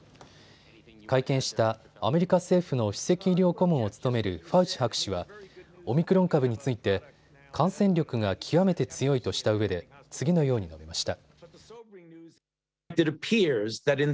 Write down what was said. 会見したアメリカ政府の首席医療顧問を務めるファウチ博士はオミクロン株について感染力が極めて強いとしたうえで次のように述べました。